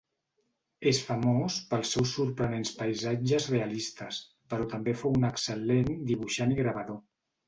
És famós pels seus sorprenents paisatges realistes, però també fou un excel·lent dibuixant i gravador.